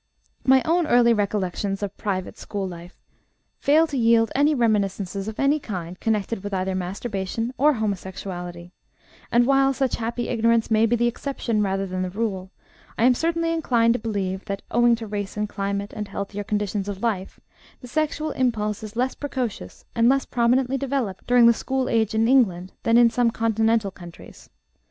My own early recollections of (private) school life fail to yield any reminiscences of any kind connected with either masturbation or homosexuality; and, while such happy ignorance may be the exception rather than the rule, I am certainly inclined to believe that owing to race and climate, and healthier conditions of life the sexual impulse is less precocious and less prominently developed during the school age in England than in some Continental countries.